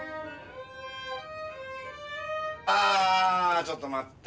ああちょっと待って。